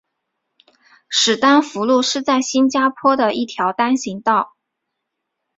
史丹福路是在新加坡的一条单行道。